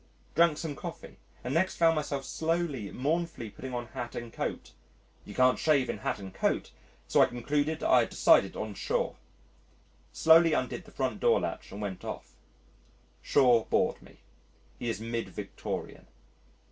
Drank some coffee and next found myself slowly, mournfully putting on hat and coat. You can't shave in hat and coat so I concluded I had decided on Shaw. Slowly undid the front door latch and went off. Shaw bored me. He is mid Victorian.